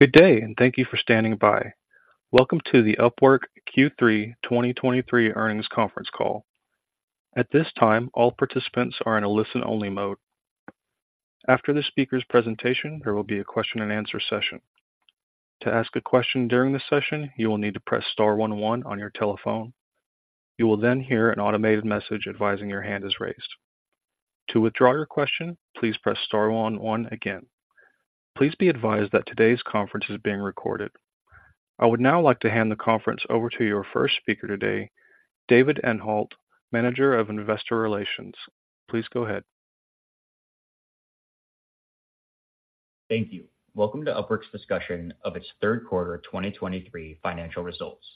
Good day, and thank you for standing by. Welcome to the Upwork Q3 2023 Earnings Conference Call. At this time, all participants are in a listen-only mode. After the speaker's presentation, there will be a question-and-answer session. To ask a question during the session, you will need to press star one one on your telephone. You will then hear an automated message advising your hand is raised. To withdraw your question, please press star one one again. Please be advised that today's conference is being recorded. I would now like to hand the conference over to your first speaker today, David Anhalt, Manager of Investor Relations. Please go ahead. Thank you. Welcome to Upwork's discussion of its third quarter 2023 financial results.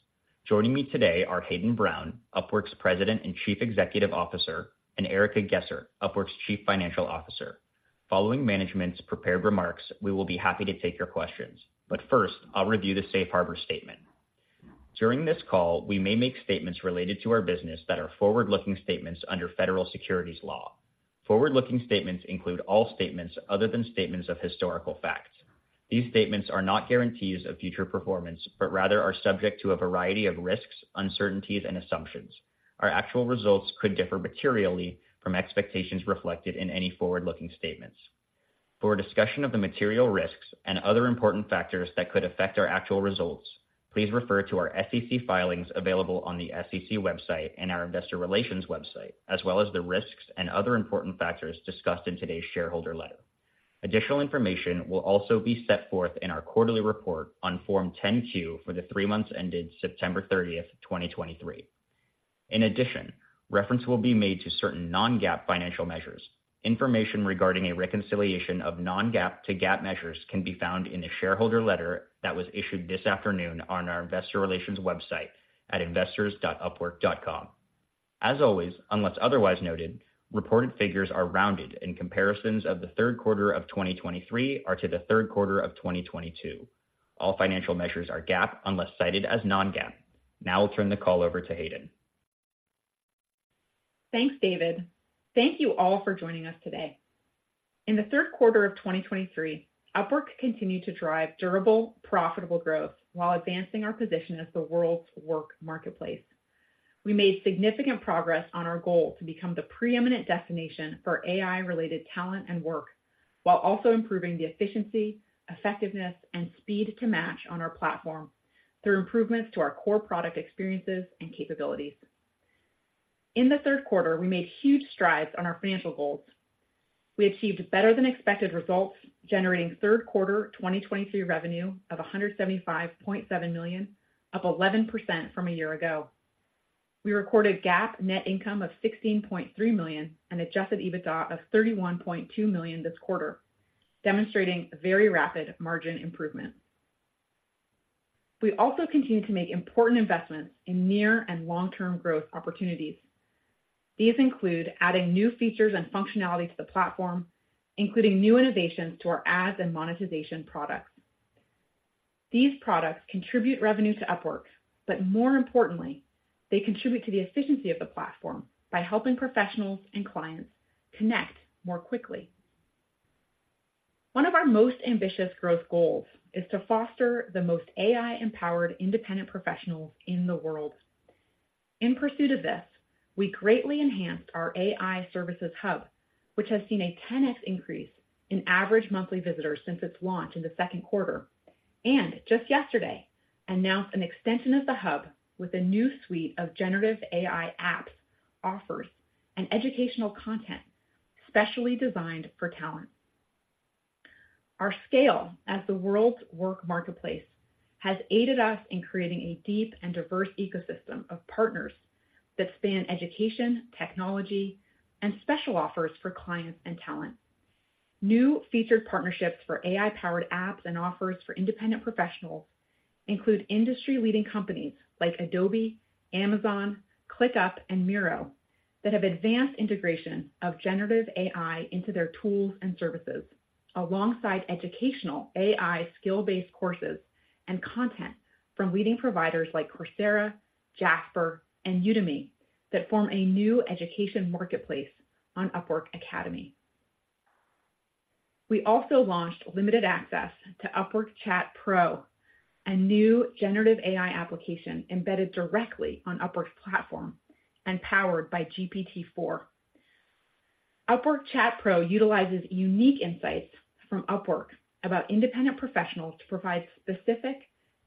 Joining me today are Hayden Brown, Upwork's President and Chief Executive Officer, and Erica Gessert, Upwork's Chief Financial Officer. Following management's prepared remarks, we will be happy to take your questions. But first, I'll review the safe harbor statement. During this call, we may make statements related to our business that are forward-looking statements under federal securities law. Forward-looking statements include all statements other than statements of historical facts. These statements are not guarantees of future performance, but rather are subject to a variety of risks, uncertainties and assumptions. Our actual results could differ materially from expectations reflected in any forward-looking statements. For a discussion of the material risks and other important factors that could affect our actual results, please refer to our SEC filings available on the SEC website and our investor relations website, as well as the risks and other important factors discussed in today's shareholder letter. Additional information will also be set forth in our quarterly report on Form 10-Q for the three months ended September 30, 2023. In addition, reference will be made to certain non-GAAP financial measures. Information regarding a reconciliation of non-GAAP to GAAP measures can be found in the shareholder letter that was issued this afternoon on our investor relations website at investors.upwork.com. As always, unless otherwise noted, reported figures are rounded, and comparisons of the third quarter of 2023 are to the third quarter of 2022. All financial measures are GAAP unless cited as non-GAAP. Now I'll turn the call over to Hayden. Thanks, David. Thank you all for joining us today. In the third quarter of 2023, Upwork continued to drive durable, profitable growth while advancing our position as the world's work marketplace. We made significant progress on our goal to become the preeminent destination for AI-related talent and work, while also improving the efficiency, effectiveness, and speed to match on our platform through improvements to our core product experiences and capabilities. In the third quarter, we made huge strides on our financial goals. We achieved better than expected results, generating third quarter 2023 revenue of $175.7 million, up 11% from a year ago. We recorded GAAP net income of $16.3 million and Adjusted EBITDA of $31.2 million this quarter, demonstrating very rapid margin improvement. We also continued to make important investments in near and long-term growth opportunities. These include adding new features and functionality to the platform, including new innovations to our ads and monetization products. These products contribute revenue to Upwork, but more importantly, they contribute to the efficiency of the platform by helping professionals and clients connect more quickly. One of our most ambitious growth goals is to foster the most AI-empowered independent professionals in the world. In pursuit of this, we greatly enhanced our AI services hub, which has seen a 10x increase in average monthly visitors since its launch in the second quarter, and just yesterday announced an extension of the hub with a new suite of generative AI apps, offers, and educational content specially designed for talent. Our scale as the world's work marketplace has aided us in creating a deep and diverse ecosystem of partners that span education, technology, and special offers for clients and talent. New featured partnerships for AI-powered apps and offers for independent professionals include industry-leading companies like Adobe, Amazon, ClickUp, and Miro, that have advanced integration of generative AI into their tools and services, alongside educational AI skill-based courses and content from leading providers like Coursera, Jasper, and Udemy that form a new education marketplace on Upwork Academy. We also launched limited access to Upwork Chat Pro, a new generative AI application embedded directly on Upwork's platform and powered by GPT-4. Upwork Chat Pro utilizes unique insights from Upwork about independent professionals to provide specific,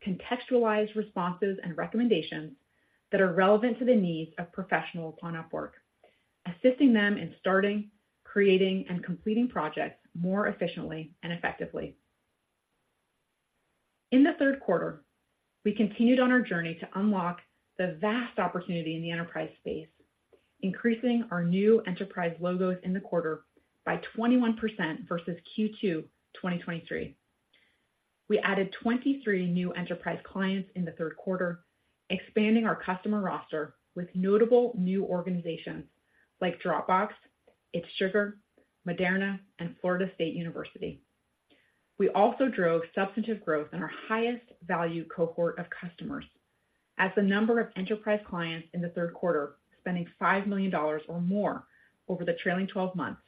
contextualized responses and recommendations that are relevant to the needs of professionals on Upwork, assisting them in starting, creating, and completing projects more efficiently and effectively. In the third quarter, we continued on our journey to unlock the vast opportunity in the enterprise space, increasing our new enterprise logos in the quarter by 21% versus Q2 2023. We added 23 new enterprise clients in the third quarter, expanding our customer roster with notable new organizations like Dropbox, IT'SUGAR, Moderna, and Florida State University. We also drove substantive growth in our highest value cohort of customers, as the number of enterprise clients in the third quarter spending $5 million or more over the trailing twelve months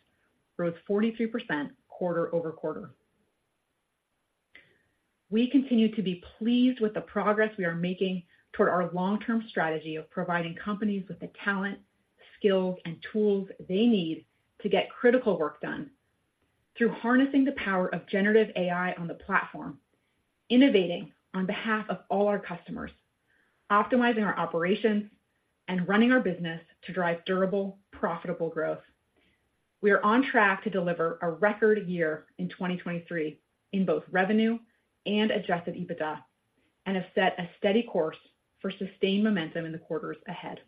grew 43% quarter-over-quarter. We continue to be pleased with the progress we are making toward our long-term strategy of providing companies with the talent, skills, and tools they need to get critical work done through harnessing the power of generative AI on the platform, innovating on behalf of all our customers, optimizing our operations, and running our business to drive durable, profitable growth. We are on track to deliver a record year in 2023 in both revenue and Adjusted EBITDA, and have set a steady course for sustained momentum in the quarters ahead.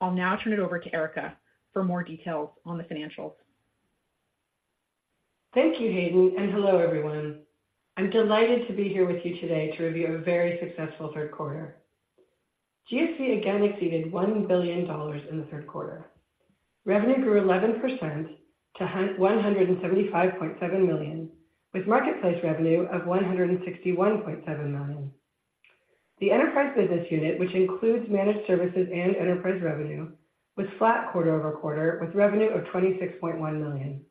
I'll now turn it over to Erica for more details on the financials. Thank you, Hayden, and hello, everyone. I'm delighted to be here with you today to review a very successful third quarter. GSV again exceeded $1 billion in the third quarter. Revenue grew 11% to $175.7 million, with marketplace revenue of $161.7 million. The enterprise business unit, which includes managed services and enterprise revenue, was flat quarter-over-quarter, with revenue of $26.1 million.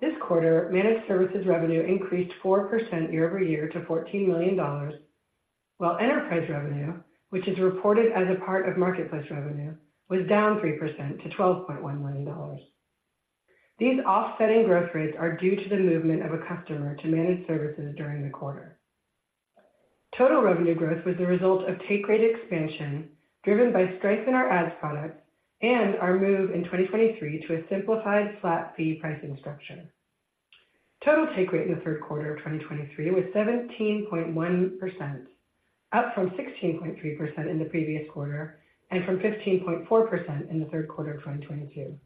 This quarter, managed services revenue increased 4% year-over-year to $14 million, while enterprise revenue, which is reported as a part of marketplace revenue, was down 3% to $12.1 million. These offsetting growth rates are due to the movement of a customer to managed services during the quarter. Total revenue growth was the result of take rate expansion, driven by strength in our ads products and our move in 2023 to a simplified flat fee pricing structure. Total take rate in the third quarter of 2023 was 17.1%, up from 16.3% in the previous quarter and from 15.4% in the third quarter of 2022.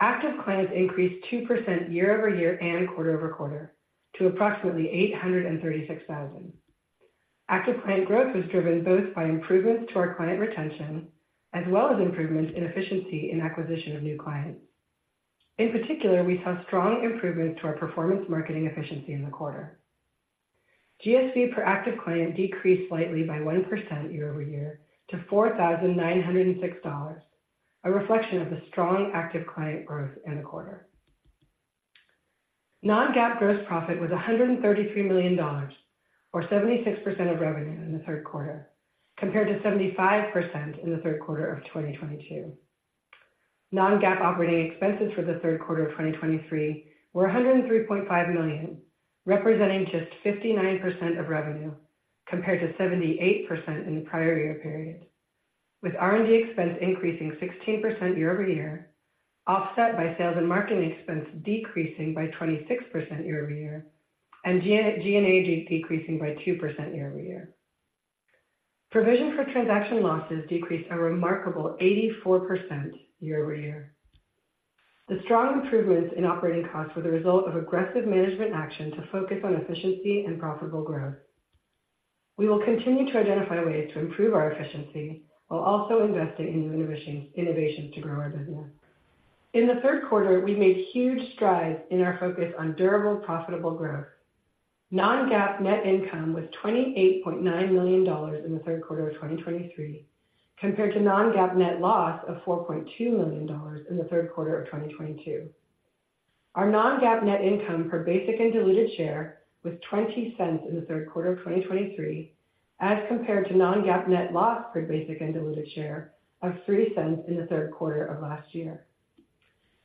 Active clients increased 2% year-over-year and quarter-over-quarter to approximately 836,000. Active client growth was driven both by improvements to our client retention as well as improvements in efficiency in acquisition of new clients. In particular, we saw strong improvements to our performance marketing efficiency in the quarter. GSV per active client decreased slightly by 1% year-over-year to $4,906, a reflection of the strong active client growth in the quarter. Non-GAAP gross profit was $133 million, or 76% of revenue in the third quarter, compared to 75% in the third quarter of 2022. Non-GAAP operating expenses for the third quarter of 2023 were $103.5 million, representing just 59% of revenue, compared to 78% in the prior year period, with R&D expenses increasing 16% year-over-year, offset by sales and marketing expense decreasing by 26% year-over-year, and G&A decreasing by 2% year-over-year. Provision for transaction losses decreased a remarkable 84% year-over-year. The strong improvements in operating costs were the result of aggressive management action to focus on efficiency and profitable growth. We will continue to identify ways to improve our efficiency while also investing in innovations, innovations to grow our business. In the third quarter, we made huge strides in our focus on durable, profitable growth. Non-GAAP net income was $28.9 million in the third quarter of 2023, compared to non-GAAP net loss of $4.2 million in the third quarter of 2022. Our non-GAAP net income per basic and diluted share was $0.20 in the third quarter of 2023, as compared to non-GAAP net loss per basic and diluted share of $0.03 in the third quarter of last year.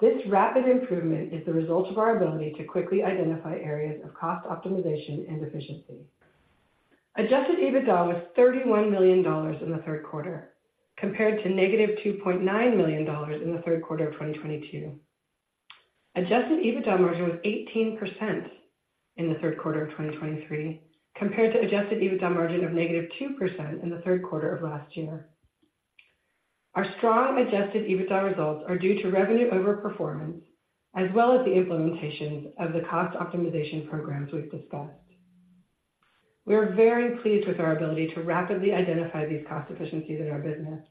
This rapid improvement is the result of our ability to quickly identify areas of cost optimization and efficiency. Adjusted EBITDA was $31 million in the third quarter, compared to -$2.9 million in the third quarter of 2022. Adjusted EBITDA margin was 18% in the third quarter of 2023, compared to Adjusted EBITDA margin of -2% in the third quarter of last year. Our strong Adjusted EBITDA results are due to revenue overperformance, as well as the implementations of the cost optimization programs we've discussed. We are very pleased with our ability to rapidly identify these cost efficiencies in our business,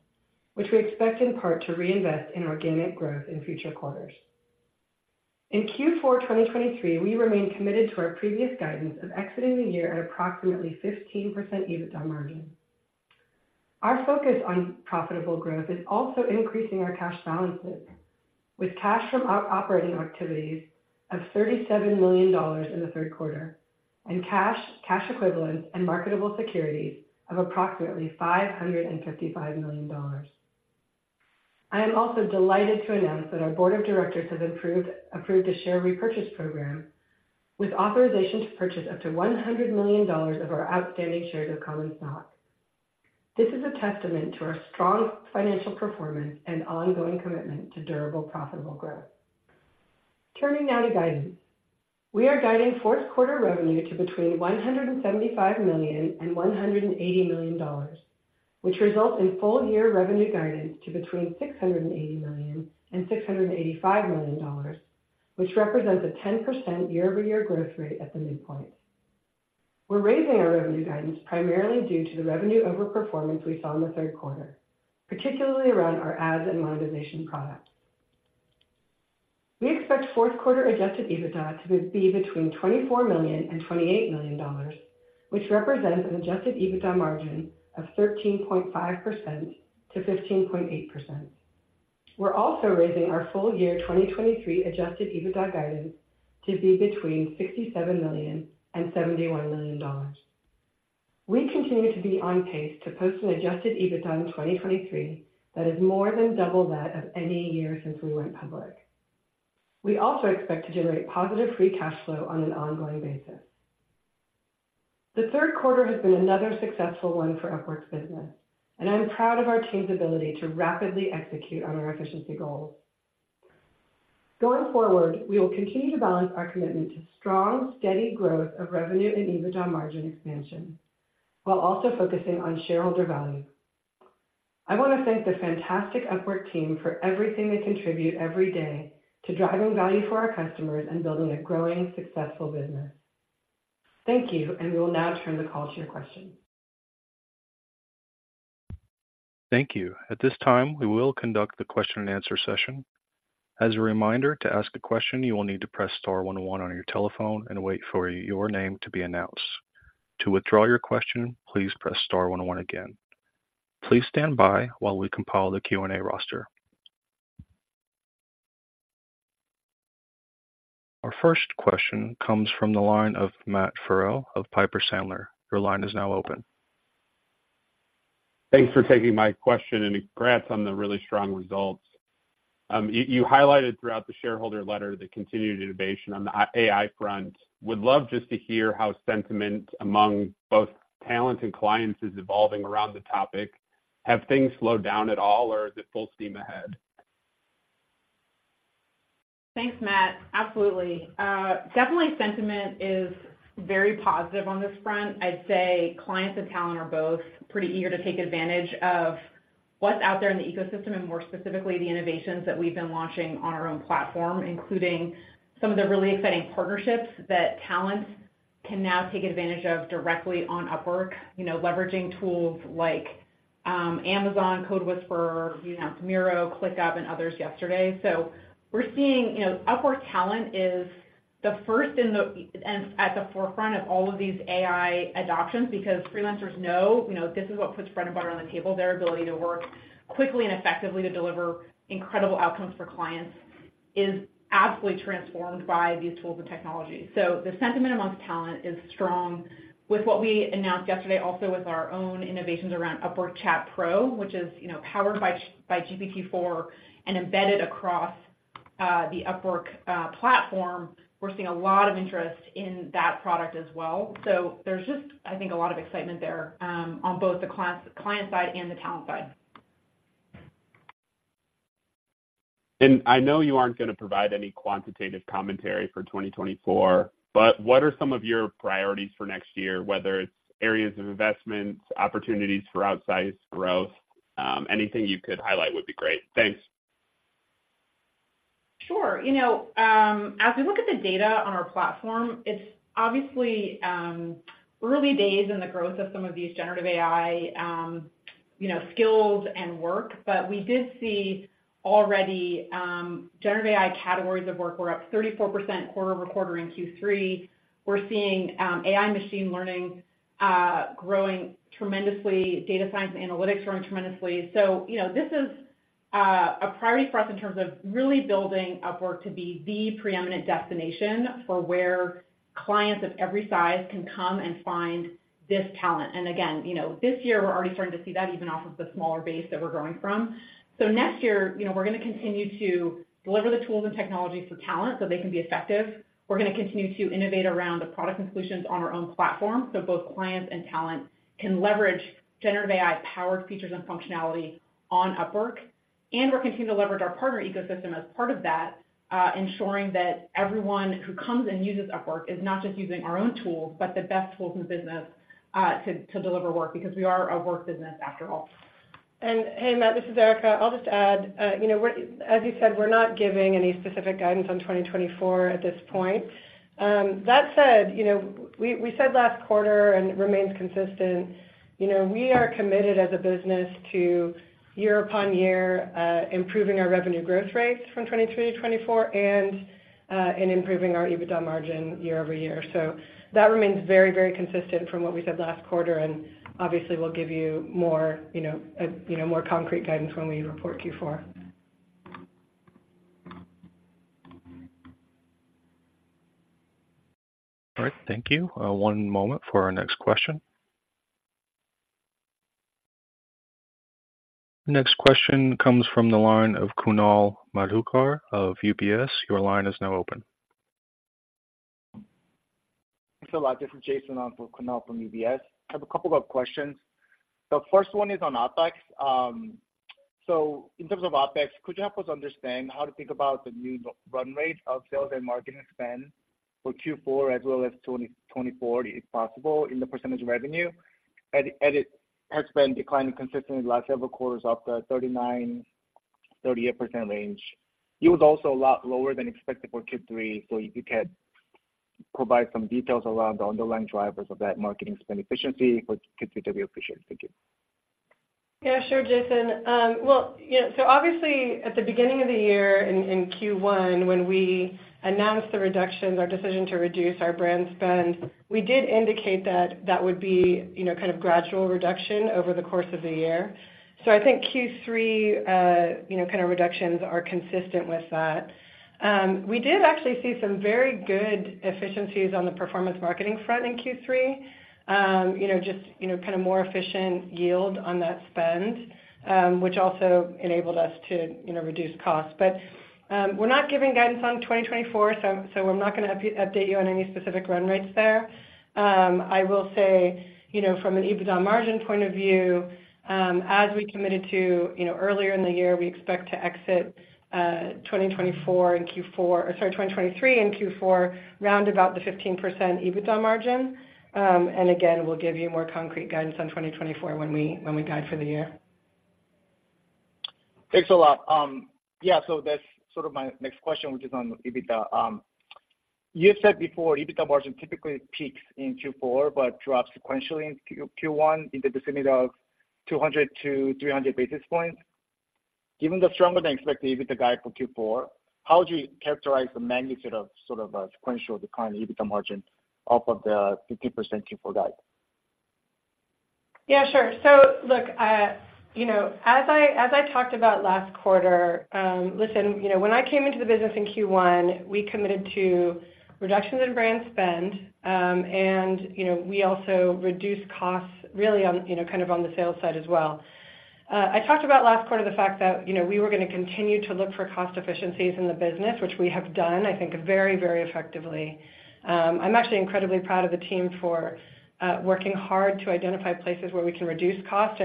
which we expect in part to reinvest in organic growth in future quarters. In Q4 2023, we remain committed to our previous guidance of exiting the year at approximately 15% EBITDA margin. Our focus on profitable growth is also increasing our cash balances, with cash from our operating activities of $37 million in the third quarter and cash, cash equivalents, and marketable securities of approximately $555 million. I am also delighted to announce that our board of directors has approved a share repurchase program with authorization to purchase up to $100 million of our outstanding shares of common stock. This is a testament to our strong financial performance and ongoing commitment to durable, profitable growth. Turning now to guidance. We are guiding fourth quarter revenue to between $175 million and $180 million, which results in full-year revenue guidance to between $680 million and $685 million, which represents a 10% year-over-year growth rate at the midpoint. We're raising our revenue guidance primarily due to the revenue overperformance we saw in the third quarter, particularly around our ads and monetization products. We expect fourth quarter Adjusted EBITDA to be between $24 million and $28 million, which represents an Adjusted EBITDA margin of 13.5%-15.8%. We're also raising our full year 2023 Adjusted EBITDA guidance to be between $67 million and $71 million. We continue to be on pace to post an Adjusted EBITDA in 2023 that is more than double that of any year since we went public. We also expect to generate positive free cash flow on an ongoing basis. The third quarter has been another successful one for Upwork's business, and I'm proud of our team's ability to rapidly execute on our efficiency goals. Going forward, we will continue to balance our commitment to strong, steady growth of revenue and EBITDA margin expansion, while also focusing on shareholder value. I want to thank the fantastic Upwork team for everything they contribute every day to driving value for our customers and building a growing, successful business. Thank you, and we will now turn the call to your questions. Thank you. At this time, we will conduct the question and answer session. As a reminder, to ask a question, you will need to press star one one on your telephone and wait for your name to be announced. To withdraw your question, please press star one one again. Please stand by while we compile the Q&A roster. Our first question comes from the line of Matt Farrell of Piper Sandler. Your line is now open. Thanks for taking my question and congrats on the really strong results. You highlighted throughout the shareholder letter the continued innovation on the AI front. Would love just to hear how sentiment among both talent and clients is evolving around the topic. Have things slowed down at all, or is it full steam ahead? Thanks, Matt. Absolutely. Definitely sentiment is very positive on this front. I'd say clients and talent are both pretty eager to take advantage of what's out there in the ecosystem, and more specifically, the innovations that we've been launching on our own platform, including some of the really exciting partnerships that talent can now take advantage of directly on Upwork. You know, leveraging tools like Amazon CodeWhisperer, you know, Miro, ClickUp, and others yesterday. So we're seeing, you know, Upwork talent is the first and at the forefront of all of these AI adoptions because freelancers know, you know, this is what puts bread and butter on the table. Their ability to work quickly and effectively to deliver incredible outcomes for clients is absolutely transformed by these tools and technologies. So the sentiment amongst talent is strong. With what we announced yesterday, also with our own innovations around Upwork Chat Pro, which is, you know, powered by GPT-4 and embedded across the Upwork platform, we're seeing a lot of interest in that product as well. So there's just, I think, a lot of excitement there on both the client side and the talent side. I know you aren't going to provide any quantitative commentary for 2024, but what are some of your priorities for next year, whether it's areas of investments, opportunities for outsized growth? Anything you could highlight would be great. Thanks. Sure. You know, as we look at the data on our platform, it's obviously early days in the growth of some of these generative AI, you know, skills and work. But we did see already, generative AI categories of work were up 34% quarter-over-quarter in Q3. We're seeing, AI & Machine Learning, growing tremendously, Data Science & Analytics growing tremendously. So, you know, this is a priority for us in terms of really building Upwork to be the preeminent destination for where clients of every size can come and find this talent. And again, you know, this year, we're already starting to see that even off of the smaller base that we're growing from. So next year, you know, we're going to continue to deliver the tools and technologies for talent so they can be effective. We're going to continue to innovate around the product and solutions on our own platform, so both clients and talent can leverage generative AI-powered features and functionality on Upwork. We're continuing to leverage our partner ecosystem as part of that, ensuring that everyone who comes and uses Upwork is not just using our own tools, but the best tools in the business, to deliver work, because we are a work business after all. Hey, Matt, this is Erica. I'll just add, you know, we're, as you said, we're not giving any specific guidance on 2024 at this point. That said, you know, we said last quarter, and it remains consistent, you know, we are committed as a business to year-upon-year improving our revenue growth rates from 2023-2024, and improving our EBITDA margin year-over-year. So that remains very, very consistent from what we said last quarter, and obviously, we'll give you more, you know, more concrete guidance when we report Q4. All right. Thank you. One moment for our next question. Next question comes from the line of Kunal Madhukar of UBS. Your line is now open. Thanks a lot. This is Jason on for Kunal from UBS. I have a couple of questions. The first one is on OpEx. So in terms of OpEx, could you help us understand how to think about the new run rate of sales and marketing spend for Q4 as well as 2024, if possible, in the percentage of revenue? And, and it has been declining consistently the last several quarters after 39%-38% range. It was also a lot lower than expected for Q3. So if you could provide some details around the underlying drivers of that marketing spend efficiency for Q4, we appreciate it. Thank you.... Yeah, sure, Jason. Well, yeah, so obviously at the beginning of the year in Q1, when we announced the reductions, our decision to reduce our brand spend, we did indicate that that would be, you know, kind of gradual reduction over the course of the year. So I think Q3, you know, kind of reductions are consistent with that. We did actually see some very good efficiencies on the performance marketing front in Q3. You know, just, you know, kind of more efficient yield on that spend, which also enabled us to, you know, reduce costs. But, we're not giving guidance on 2024, so we're not going to update you on any specific run rates there. I will say, you know, from an EBITDA margin point of view, as we committed to, you know, earlier in the year, we expect to exit, 2024 in Q4, or sorry, 2023 in Q4, round about the 15% EBITDA margin. And again, we'll give you more concrete guidance on 2024 when we, when we guide for the year. Thanks a lot. Yeah, so that's sort of my next question, which is on EBITDA. You've said before, EBITDA margin typically peaks in Q4, but drops sequentially in Q1 in the vicinity of 200-300 basis points. Given the stronger than expected EBITDA guide for Q4, how would you characterize the magnitude of sort of a sequential decline in EBITDA margin off of the 15% Q4 guide? Yeah, sure. So look, you know, as I talked about last quarter, listen, you know, when I came into the business in Q1, we committed to reductions in brand spend, and, you know, we also reduced costs really on, you know, kind of on the sales side as well. I talked about last quarter, the fact that, you know, we were going to continue to look for cost efficiencies in the business, which we have done, I think, very, very effectively. I'm actually incredibly proud of the team for working hard to identify places where we can reduce cost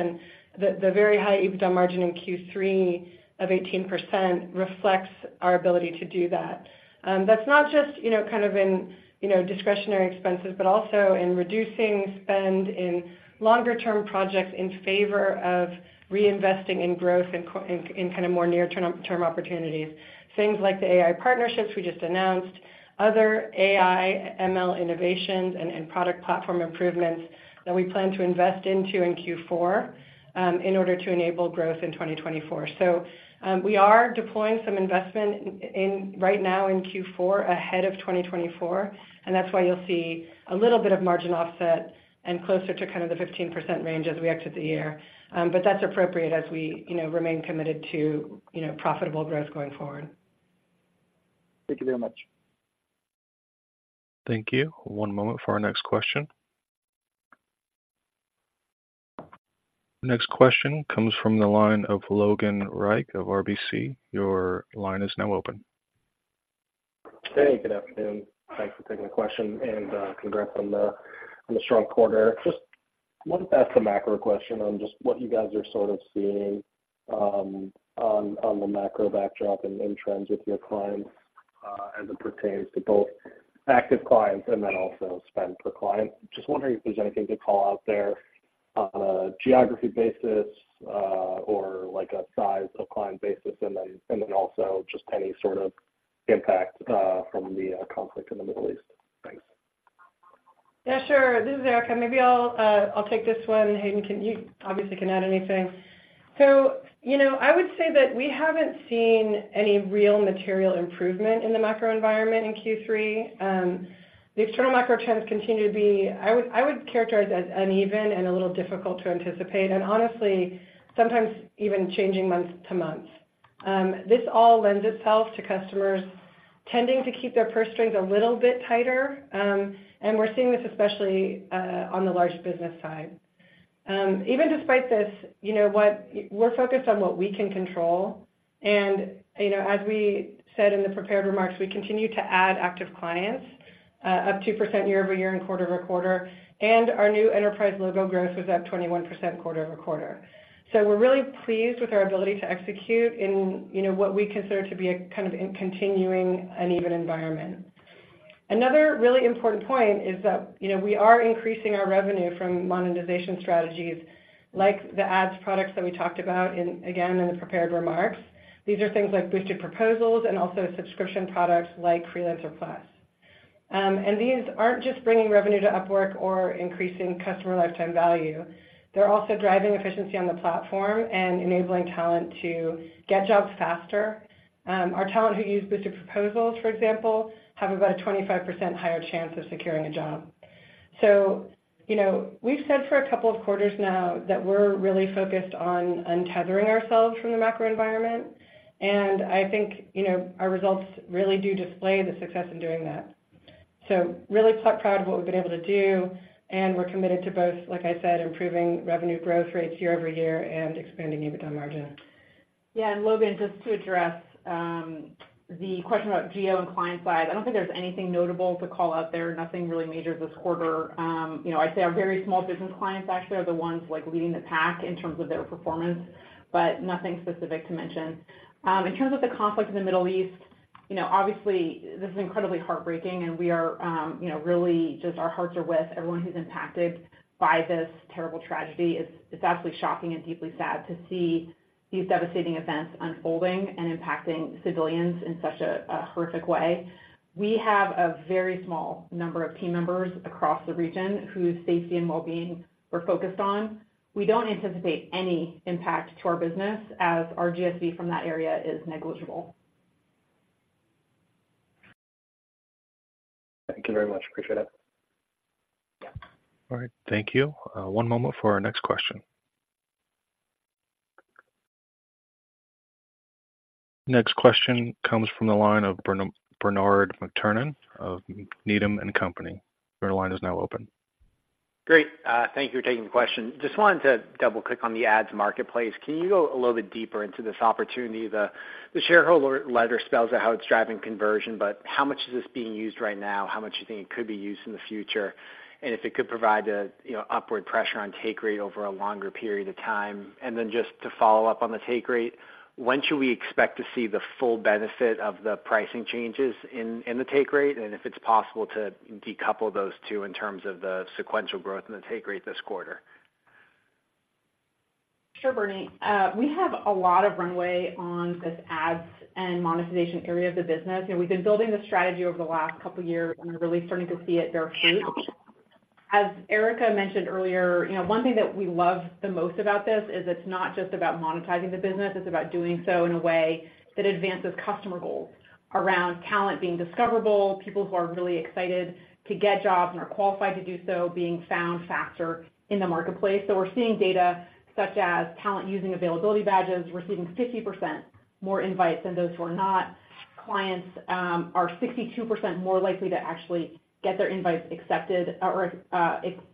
and the very high EBITDA margin in Q3 of 18% reflects our ability to do that. That's not just, you know, kind of in, you know, discretionary expenses, but also in reducing spend in longer-term projects in favor of reinvesting in growth in kind of more near-term opportunities. Things like the AI partnerships we just announced, other AI, ML innovations and product platform improvements that we plan to invest into in Q4, in order to enable growth in 2024. So, we are deploying some investment in, right now in Q4, ahead of 2024, and that's why you'll see a little bit of margin offset and closer to kind of the 15% range as we exit the year. But that's appropriate as we, you know, remain committed to, you know, profitable growth going forward. Thank you very much. Thank you. One moment for our next question. Next question comes from the line of Logan Reich of RBC. Your line is now open. Hey, good afternoon. Thanks for taking the question and, congrats on the strong quarter. Just wanted to ask a macro question on just what you guys are sort of seeing, on the macro backdrop and in trends with your clients, as it pertains to both active clients and then also spend per client. Just wondering if there's anything to call out there on a geography basis, or like a size of client basis, and then also just any sort of impact, from the conflict in the Middle East. Thanks. Yeah, sure. This is Erica. Maybe I'll, I'll take this one, Hayden. Can you... Obviously, you can add anything. So, you know, I would say that we haven't seen any real material improvement in the macro environment in Q3. The external macro trends continue to be, I would, I would characterize as uneven and a little difficult to anticipate, and honestly, sometimes even changing month to month. This all lends itself to customers tending to keep their purse strings a little bit tighter, and we're seeing this especially on the large business side. Even despite this, you know what? We're focused on what we can control. You know, as we said in the prepared remarks, we continue to add active clients, up 2% year-over-year and quarter-over-quarter, and our new enterprise logo growth was up 21% quarter-over-quarter. So we're really pleased with our ability to execute in, you know, what we consider to be a kind of in continuing uneven environment. Another really important point is that, you know, we are increasing our revenue from monetization strategies like the ads products that we talked about in, again, in the prepared remarks. These are things like Boosted Proposals and also subscription products like Freelancer Plus. And these aren't just bringing revenue to Upwork or increasing customer lifetime value. They're also driving efficiency on the platform and enabling talent to get jobs faster. Our talent who use Boosted Proposals, for example, have about a 25% higher chance of securing a job. So, you know, we've said for a couple of quarters now that we're really focused on untethering ourselves from the macro environment, and I think, you know, our results really do display the success in doing that. So really proud of what we've been able to do, and we're committed to both, like I said, improving revenue growth rates year-over-year and expanding EBITDA margin. Yeah, and Logan, just to address the question about geo and client size. I don't think there's anything notable to call out there. Nothing really major this quarter. You know, I'd say our very small business clients actually are the ones, like, leading the pack in terms of their performance, but nothing specific to mention. In terms of the conflict in the Middle East, you know, obviously, this is incredibly heartbreaking and we are, you know, really just our hearts are with everyone who's impacted by this terrible tragedy. It's, it's absolutely shocking and deeply sad to see these devastating events unfolding and impacting civilians in such a, a horrific way. We have a very small number of team members across the region whose safety and wellbeing we're focused on. We don't anticipate any impact to our business as our GSV from that area is negligible. ... Thank you very much. Appreciate it. All right. Thank you. One moment for our next question. Next question comes from the line of Bernard McTernan of Needham and Company. Your line is now open. Great. Thank you for taking the question. Just wanted to double-click on the ads marketplace. Can you go a little bit deeper into this opportunity? The shareholder letter spells out how it's driving conversion, but how much is this being used right now? How much do you think it could be used in the future? And if it could provide a, you know, upward pressure on take rate over a longer period of time. And then just to follow up on the take rate, when should we expect to see the full benefit of the pricing changes in the take rate? And if it's possible to decouple those two in terms of the sequential growth in the take rate this quarter? Sure, Bernie. We have a lot of runway on this ads and monetization area of the business. You know, we've been building the strategy over the last couple of years, and we're really starting to see it bear fruit. As Erica mentioned earlier, you know, one thing that we love the most about this is it's not just about monetizing the business, it's about doing so in a way that advances customer goals around talent being discoverable, people who are really excited to get jobs and are qualified to do so, being found faster in the marketplace. So we're seeing data such as talent using Availability Badges, receiving 50% more invites than those who are not. Clients are 62% more likely to actually get their invites accepted or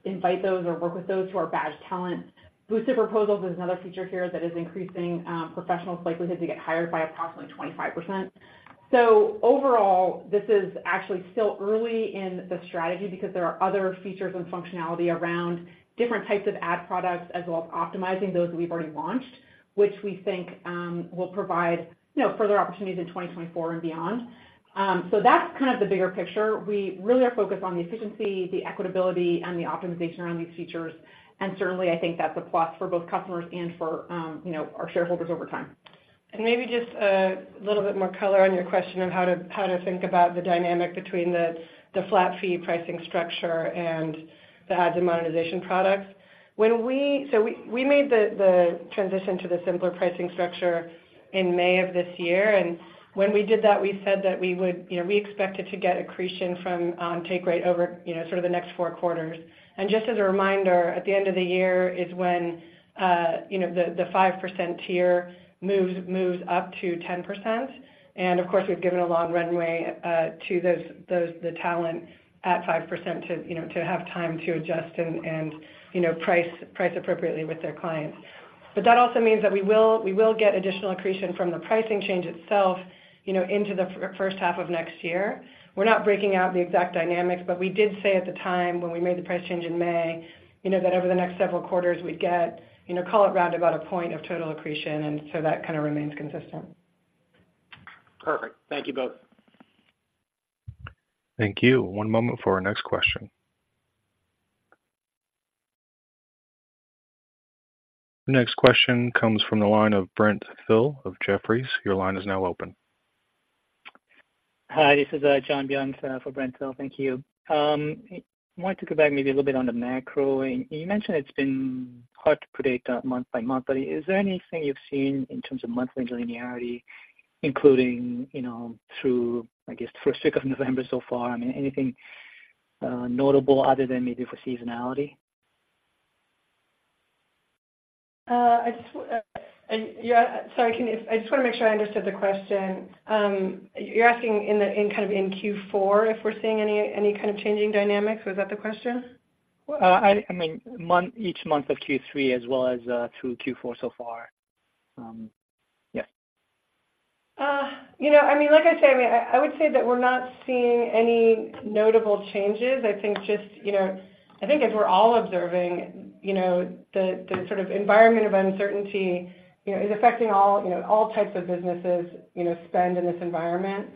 invite those or work with those who are badge talent. Boosted Proposals is another feature here that is increasing professionals' likelihood to get hired by approximately 25%. So overall, this is actually still early in the strategy because there are other features and functionality around different types of ad products, as well as optimizing those that we've already launched, which we think will provide, you know, further opportunities in 2024 and beyond. So that's kind of the bigger picture. We really are focused on the efficiency, the equitability, and the optimization around these features. And certainly, I think that's a plus for both customers and for, you know, our shareholders over time. Maybe just a little bit more color on your question of how to think about the dynamic between the flat fee pricing structure and the ads and monetization products. When we. So we made the transition to the simpler pricing structure in May of this year, and when we did that, we said that we would, you know, we expected to get accretion from take rate over, you know, sort of the next four quarters. Just as a reminder, at the end of the year is when, you know, the 5% tier moves up to 10%. Of course, we've given a long runway to those the talent at 5% to, you know, to have time to adjust and, you know, price appropriately with their clients. But that also means that we will, we will get additional accretion from the pricing change itself, you know, into the first half of next year. We're not breaking out the exact dynamics, but we did say at the time when we made the price change in May, you know, that over the next several quarters, we'd get, you know, call it round about a point of total accretion, and so that kind of remains consistent. Perfect. Thank you both. Thank you. One moment for our next question. The next question comes from the line of Brent Thill of Jefferies. Your line is now open. Hi, this is John Bianchi for Brent Thill. Thank you. I wanted to go back maybe a little bit on the macro. You mentioned it's been hard to predict month by month, but is there anything you've seen in terms of monthly linearity, including, you know, through, I guess, the first week of November so far? I mean, anything notable other than maybe for seasonality? I just, yeah. Sorry, can you... I just want to make sure I understood the question. You're asking in the, in kind of in Q4, if we're seeing any, any kind of changing dynamics, was that the question? I mean each month of Q3 as well as through Q4 so far. Yes. You know, I mean, like I say, I mean, I would say that we're not seeing any notable changes. I think just, you know, I think as we're all observing, you know, the sort of environment of uncertainty, you know, is affecting all, you know, all types of businesses, you know, spend in this environment.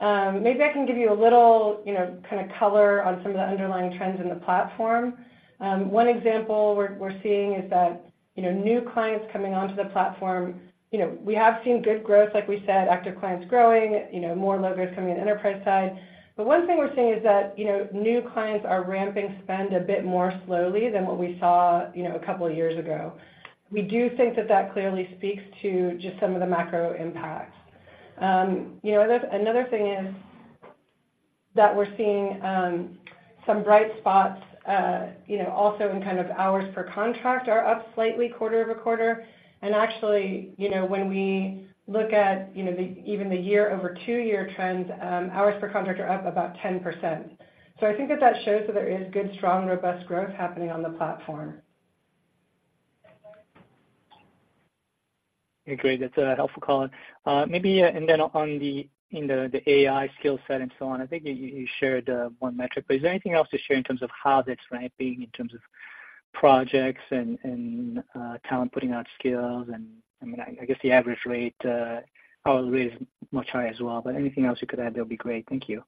Maybe I can give you a little, you know, kind of color on some of the underlying trends in the platform. One example we're seeing is that, you know, new clients coming onto the platform, you know, we have seen good growth, like we said, active clients growing, you know, more logos coming in enterprise side. But one thing we're seeing is that, you know, new clients are ramping spend a bit more slowly than what we saw, you know, a couple of years ago. We do think that that clearly speaks to just some of the macro impacts. You know, another thing is that we're seeing some bright spots, you know, also in kind of hours per contract are up slightly quarter-over-quarter. And actually, you know, when we look at, you know, the, even the year over two-year trends, hours per contract are up about 10%. So I think that that shows that there is good, strong, robust growth happening on the platform. Okay, great. That's a helpful call. Maybe, and then on the, in the, the AI skill set and so on, I think you, you shared, one metric, but is there anything else to share in terms of how that's ramping in terms of projects and, and, talent putting out skills? And, I mean, I guess the average rate, probably is much higher as well, but anything else you could add there would be great. Thank you.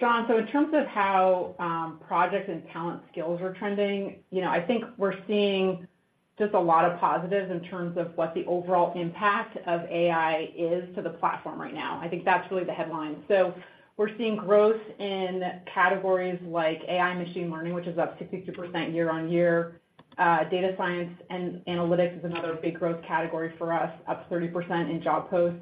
John, so in terms of how projects and talent skills are trending, you know, I think we're seeing just a lot of positives in terms of what the overall impact of AI is to the platform right now. I think that's really the headline. So we're seeing growth in categories like AI & Machine Learning, which is up 60% year-over-year. Data Science & Analytics is another big growth category for us, up 30% in job posts.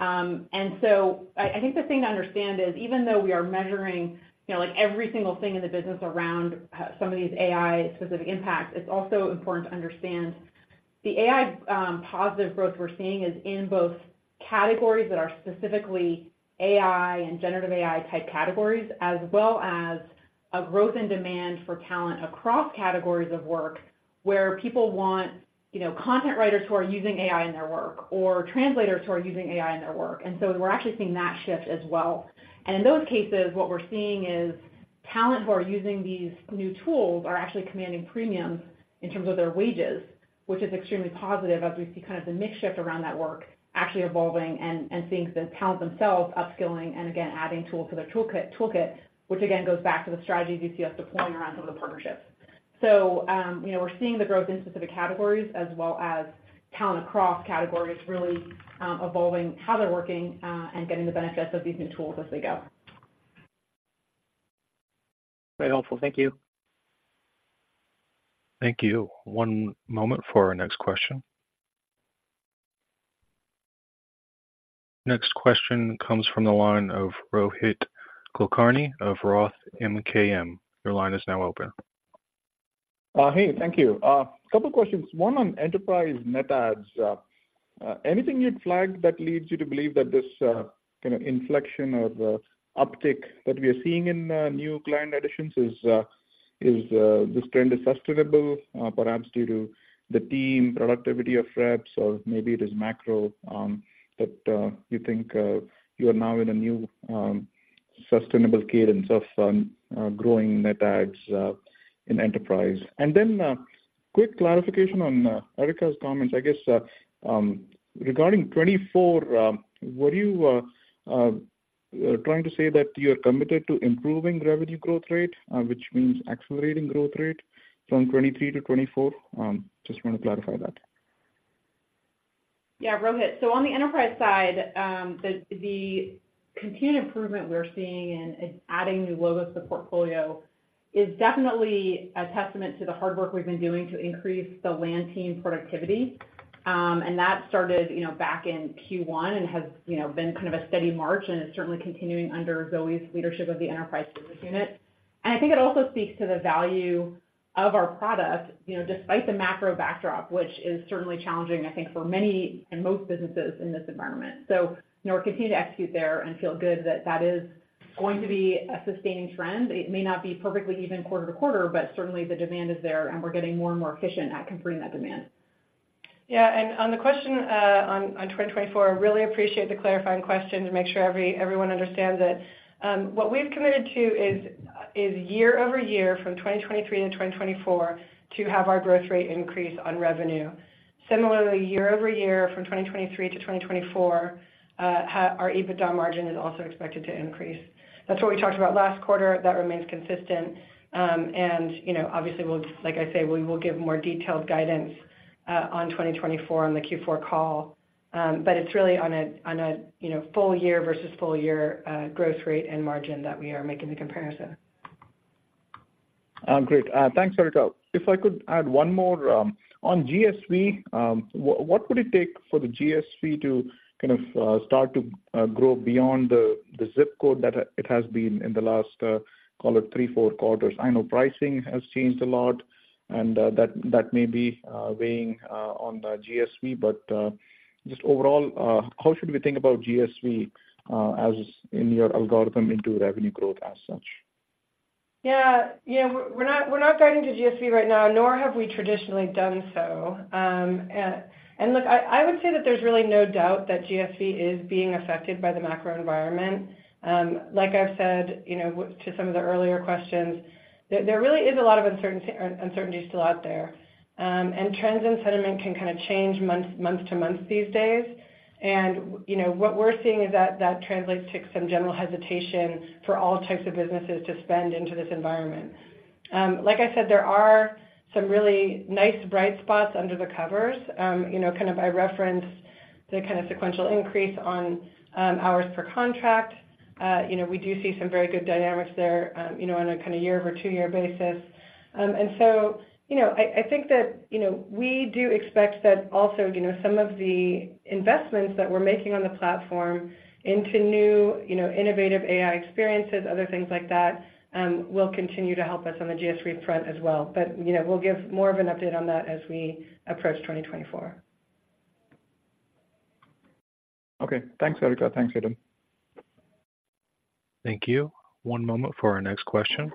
and so I think the thing to understand is, even though we are measuring, you know, like, every single thing in the business around some of these AI specific impacts, it's also important to understand the AI positive growth we're seeing is in both categories that are specifically AI and generative AI-type categories, as well as a growth in demand for talent across categories of work, where people want, you know, content writers who are using AI in their work or translators who are using AI in their work. And so we're actually seeing that shift as well. And in those cases, what we're seeing is talent who are using these new tools are actually commanding premiums in terms of their wages, which is extremely positive as we see kind of the mix shift around that work actually evolving and seeing the talent themselves upskilling and again, adding tools to their toolkit, which again, goes back to the strategies you see us deploying around some of the partnerships. So, you know, we're seeing the growth in specific categories as well as talent across categories, really evolving how they're working and getting the benefits of these new tools as they go. Very helpful. Thank you. Thank you. One moment for our next question. Next question comes from the line of Rohit Kulkarni of Roth MKM. Your line is now open. Hey, thank you. A couple questions. One, on enterprise net adds. Anything you'd flag that leads you to believe that this kind of inflection or the uptick that we are seeing in new client additions is this trend is sustainable, perhaps due to the team productivity of reps, or maybe it is macro, that you think you are now in a new sustainable cadence of growing net adds in enterprise? And then, quick clarification on Erica's comments. I guess, regarding 2024, were you trying to say that you're committed to improving revenue growth rate, which means accelerating growth rate from 2023-2024? Just wanna clarify that. Yeah, Rohit. So on the enterprise side, the continued improvement we're seeing in adding new logos to the portfolio is definitely a testament to the hard work we've been doing to increase the land team productivity. And that started, you know, back in Q1 and has, you know, been kind of a steady march, and it's certainly continuing under Zoe's leadership of the enterprise business unit. And I think it also speaks to the value of our product, you know, despite the macro backdrop, which is certainly challenging, I think, for many and most businesses in this environment. So, you know, we're continuing to execute there and feel good that that is going to be a sustaining trend. It may not be perfectly even quarter to quarter, but certainly the demand is there, and we're getting more and more efficient at completing that demand. Yeah, and on the question on 2024, I really appreciate the clarifying question to make sure everyone understands it. What we've committed to is year over year, from 2023-2024, to have our growth rate increase on revenue. Similarly, year-over-year, from 2023-2024, our EBITDA margin is also expected to increase. That's what we talked about last quarter. That remains consistent. And, you know, obviously, like I say, we will give more detailed guidance on 2024 on the Q4 call. But it's really on a, you know, full year versus full year, growth rate and margin that we are making the comparison. Great. Thanks, Erica. If I could add one more, on GSV, what would it take for the GSV to kind of start to grow beyond the zip code that it has been in the last, call it 3-4 quarters? I know pricing has changed a lot, and that may be weighing on the GSV. But just overall, how should we think about GSV as in your algorithm into revenue growth as such? Yeah, yeah. We're not guiding to GSV right now, nor have we traditionally done so. And look, I would say that there's really no doubt that GSV is being affected by the macro environment. Like I've said, you know, to some of the earlier questions, there really is a lot of uncertainty still out there. And trends and sentiment can kind of change month to month these days. And, you know, what we're seeing is that that translates to some general hesitation for all types of businesses to spend into this environment. Like I said, there are some really nice bright spots under the covers. You know, kind of, I referenced the kind of sequential increase on hours per contract. You know, we do see some very good dynamics there, you know, on a kind of year-over-two-year basis. And so, you know, I think that, you know, we do expect that also, you know, some of the investments that we're making on the platform into new, you know, innovative AI experiences, other things like that, will continue to help us on the GSV front as well. But, you know, we'll give more of an update on that as we approach 2024. Okay. Thanks, Erica. Thanks, Adam. Thank you. One moment for our next question.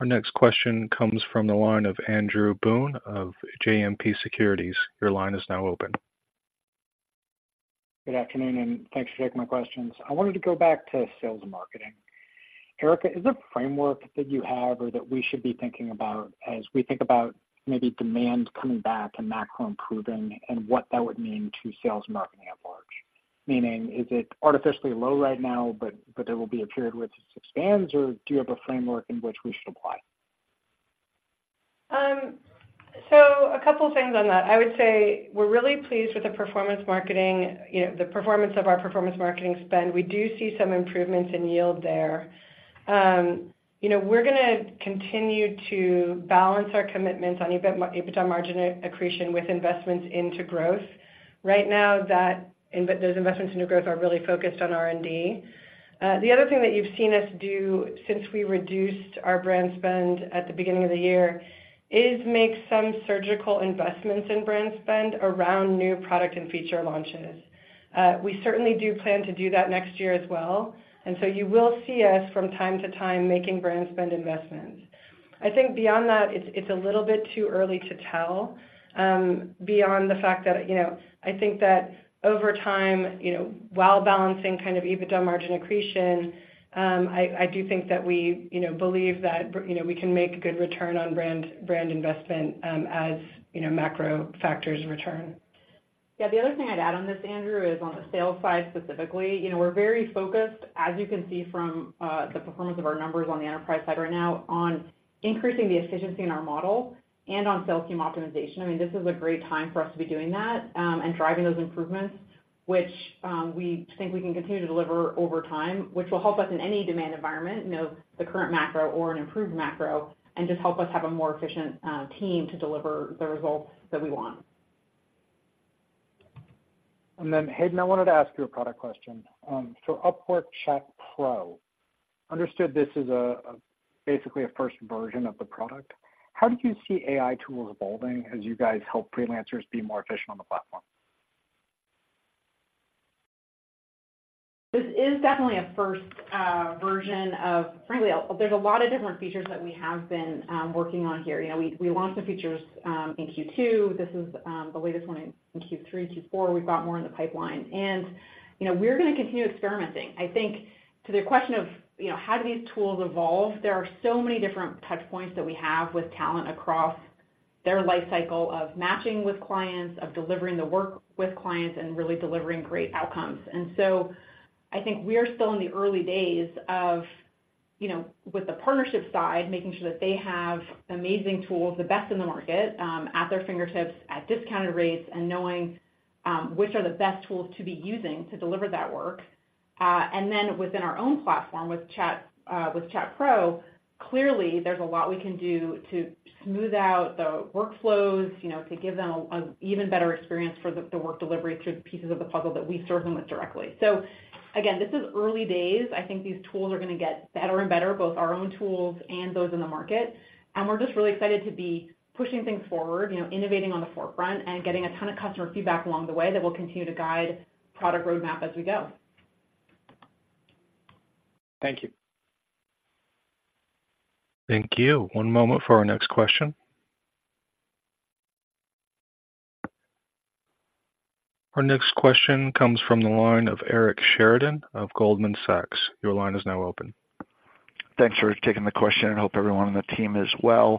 Our next question comes from the line of Andrew Boone of JMP Securities. Your line is now open. Good afternoon, and thanks for taking my questions. I wanted to go back to sales and marketing. Erica, is there a framework that you have or that we should be thinking about as we think about maybe demand coming back and macro improving and what that would mean to sales and marketing at large? Meaning, is it artificially low right now, but there will be a period where it just expands, or do you have a framework in which we should apply?... So a couple things on that. I would say we're really pleased with the performance marketing, you know, the performance of our performance marketing spend. We do see some improvements in yield there. You know, we're gonna continue to balance our commitments on EBIT, EBITDA margin accretion with investments into growth. Right now, those investments into growth are really focused on R&D. The other thing that you've seen us do since we reduced our brand spend at the beginning of the year, is make some surgical investments in brand spend around new product and feature launches. We certainly do plan to do that next year as well, and so you will see us from time to time making brand spend investments. I think beyond that, it's, it's a little bit too early to tell, beyond the fact that, you know, I think that over time, you know, while balancing kind of EBITDA margin accretion, I, I do think that we, you know, believe that, you know, we can make a good return on brand, brand investment, as, you know, macro factors return. Yeah, the other thing I'd add on this, Andrew, is on the sales side specifically. You know, we're very focused, as you can see from the performance of our numbers on the enterprise side right now, on increasing the efficiency in our model and on sales team optimization. I mean, this is a great time for us to be doing that, and driving those improvements, which we think we can continue to deliver over time, which will help us in any demand environment, you know, the current macro or an improved macro, and just help us have a more efficient team to deliver the results that we want. And then, Hayden, I wanted to ask you a product question. Upwork Chat Pro, understood this is basically a first version of the product. How do you see AI tools evolving as you guys help freelancers be more efficient on the platform? This is definitely a first version of... Frankly, there's a lot of different features that we have been working on here. You know, we, we launched some features in Q2. This is the latest one in Q3, Q4. We've got more in the pipeline. You know, we're gonna continue experimenting. I think to the question of, you know, how do these tools evolve? There are so many different touch points that we have with talent across their life cycle of matching with clients, of delivering the work with clients, and really delivering great outcomes. And so I think we are still in the early days of, you know, with the partnership side, making sure that they have amazing tools, the best in the market, at their fingertips, at discounted rates, and knowing which are the best tools to be using to deliver that work. And then within our own platform, with Chat, with Chat Pro, clearly there's a lot we can do to smooth out the workflows, you know, to give them an even better experience for the work delivery through the pieces of the puzzle that we serve them with directly. So again, this is early days. I think these tools are gonna get better and better, both our own tools and those in the market. We're just really excited to be pushing things forward, you know, innovating on the forefront and getting a ton of customer feedback along the way that will continue to guide product roadmap as we go. Thank you. Thank you. One moment for our next question. Our next question comes from the line of Eric Sheridan of Goldman Sachs. Your line is now open. Thanks for taking the question, and hope everyone on the team is well.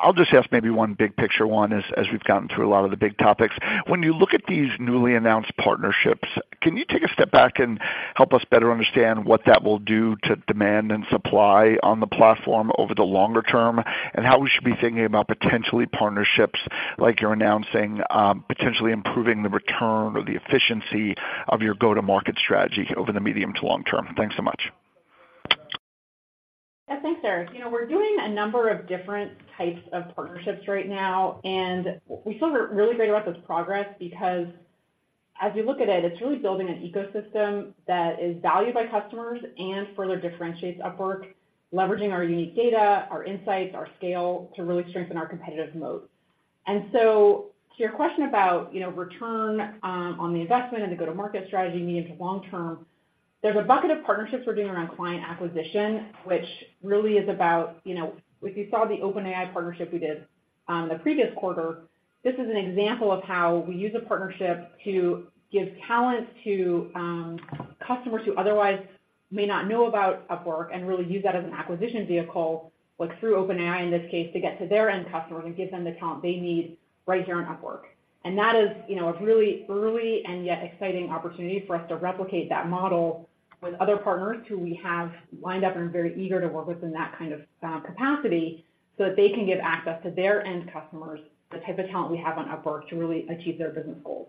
I'll just ask maybe one big picture one, as we've gotten through a lot of the big topics. When you look at these newly announced partnerships, can you take a step back and help us better understand what that will do to demand and supply on the platform over the longer term? And how we should be thinking about potentially partnerships like you're announcing, potentially improving the return or the efficiency of your go-to-market strategy over the medium to long term? Thanks so much. Yeah. Thanks, Eric. You know, we're doing a number of different types of partnerships right now, and we feel really great about this progress because as we look at it, it's really building an ecosystem that is valued by customers and further differentiates Upwork, leveraging our unique data, our insights, our scale, to really strengthen our competitive moat. So to your question about, you know, return, on the investment and the go-to-market strategy, medium to long term, there's a bucket of partnerships we're doing around client acquisition, which really is about, you know, if you saw the OpenAI partnership we did, the previous quarter, this is an example of how we use a partnership to give talent to, customers who otherwise may not know about Upwork and really use that as an acquisition vehicle, like through OpenAI in this case, to get to their end customers and give them the talent they need right here on Upwork. And that is, you know, a really early and yet exciting opportunity for us to replicate that model with other partners who we have lined up and very eager to work with in that kind of capacity, so that they can give access to their end customers, the type of talent we have on Upwork to really achieve their business goals.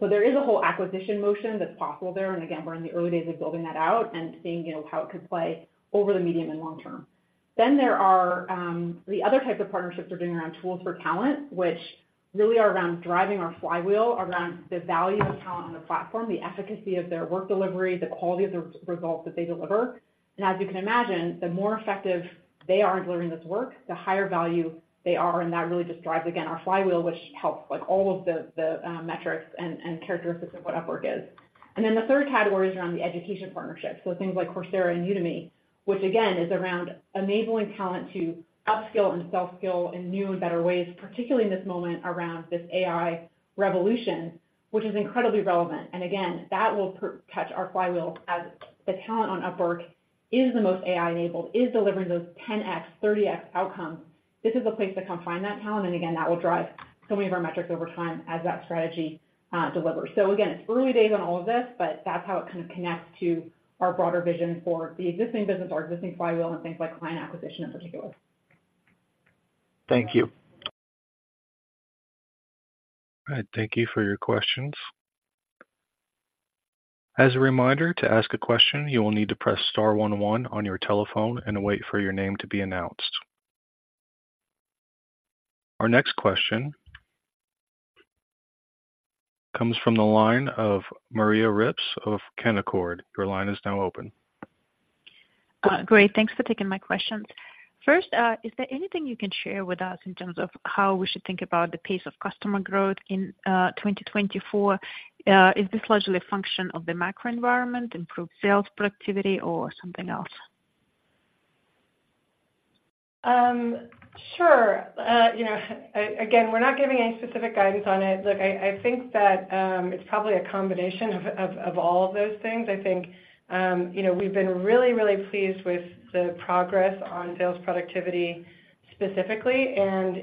So there is a whole acquisition motion that's possible there. And again, we're in the early days of building that out and seeing, you know, how it could play over the medium and long term. Then there are the other types of partnerships we're doing around tools for talent, which really are around driving our flywheel, around the value of talent on the platform, the efficacy of their work delivery, the quality of the results that they deliver. As you can imagine, the more effective they are in delivering this work, the higher value they are, and that really just drives, again, our flywheel, which helps with all of the metrics and characteristics of what Upwork is. And then the third category is around the education partnerships. So things like Coursera and Udemy, which again, is around enabling talent to upskill and self skill in new and better ways, particularly in this moment around this AI revolution, which is incredibly relevant. And again, that will touch our flywheel as the talent on Upwork is the most AI-enabled, is delivering those 10x, 30x outcomes. This is a place to come find that talent, and again, that will drive so many of our metrics over time as that strategy delivers. So again, it's early days on all of this, but that's how it kind of connects to our broader vision for the existing business, our existing flywheel, and things like client acquisition in particular. Thank you.... All right, thank you for your questions. As a reminder, to ask a question, you will need to press star one one on your telephone and wait for your name to be announced. Our next question comes from the line of Maria Ripps of Canaccord. Your line is now open. Great. Thanks for taking my questions. First, is there anything you can share with us in terms of how we should think about the pace of customer growth in 2024? Is this largely a function of the macro environment, improved sales productivity, or something else? Sure. You know, again, we're not giving any specific guidance on it. Look, I think that it's probably a combination of all of those things. I think, you know, we've been really, really pleased with the progress on sales productivity specifically, and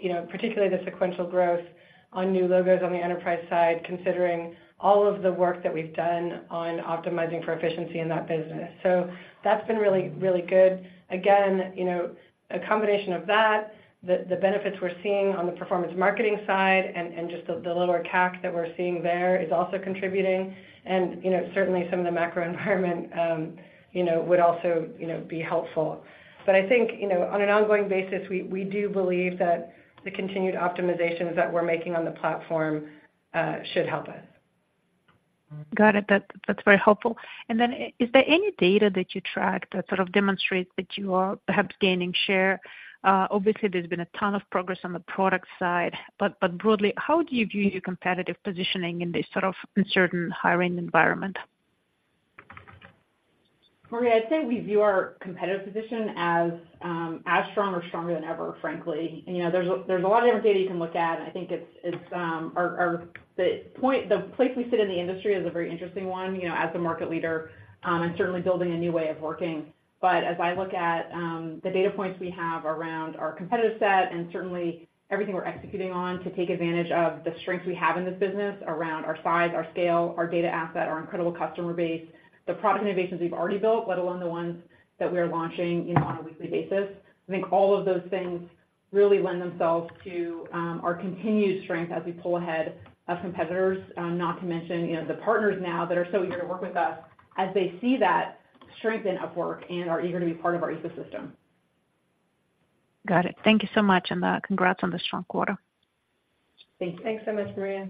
you know, particularly the sequential growth on new logos on the enterprise side, considering all of the work that we've done on optimizing for efficiency in that business. So that's been really, really good. Again, you know, a combination of that, the benefits we're seeing on the performance marketing side and just the lower CAC that we're seeing there is also contributing. And, you know, certainly some of the macro environment, you know, would also be helpful. But I think, you know, on an ongoing basis, we do believe that the continued optimizations that we're making on the platform should help us. Got it. That, that's very helpful. And then is there any data that you tracked that sort of demonstrates that you are perhaps gaining share? Obviously, there's been a ton of progress on the product side, but broadly, how do you view your competitive positioning in this sort of uncertain hiring environment? Maria, I'd say we view our competitive position as, as strong or stronger than ever, frankly. You know, there's a, there's a lot of different data you can look at. I think it's, it's... Our, our, the point, the place we sit in the industry is a very interesting one, you know, as the market leader, and certainly building a new way of working. But as I look at, the data points we have around our competitive set and certainly everything we're executing on to take advantage of the strengths we have in this business around our size, our scale, our data asset, our incredible customer base, the product innovations we've already built, let alone the ones that we are launching, you know, on a weekly basis, I think all of those things really lend themselves to, our continued strength as we pull ahead of competitors. Not to mention, you know, the partners now that are so eager to work with us as they see that strength in Upwork and are eager to be part of our ecosystem. Got it. Thank you so much, and, congrats on the strong quarter. Thank you. Thanks so much, Maria.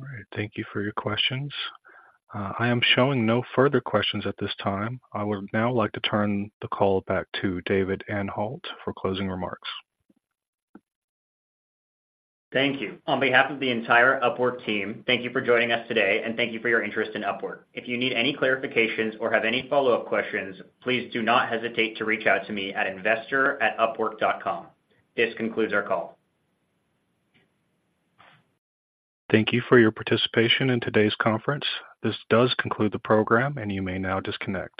All right. Thank you for your questions. I am showing no further questions at this time. I would now like to turn the call back to David Anhalt for closing remarks. Thank you. On behalf of the entire Upwork team, thank you for joining us today, and thank you for your interest in Upwork. If you need any clarifications or have any follow-up questions, please do not hesitate to reach out to me at investor at upwork.com. This concludes our call. Thank you for your participation in today's conference. This does conclude the program, and you may now disconnect.